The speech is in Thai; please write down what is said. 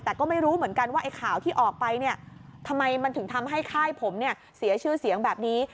แต่ก็ไม่รู้เหมือนกันว่าไอ้ข่าวที่ออกไปเนี่ยทำไมมันถึงทำให้ค่ายผมเนี่ยเสียชื่อเสียงแบบนี้